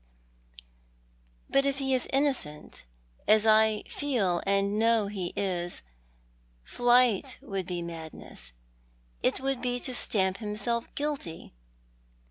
"But if he is innocent, as I feel and know that he is — flight would be madness; it would bo to stamp himself guilty."